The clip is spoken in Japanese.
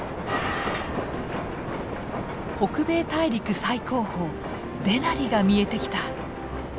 北米大陸最高峰デナリが見えてきた。